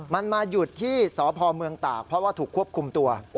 มันมาหยุดที่สพเมืองตากเพราะว่าถูกควบคุมตัว